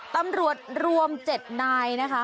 ตำรวจรวม๗นายนะคะ